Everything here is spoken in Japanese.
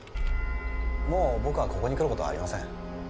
もう僕はここに来ることはありません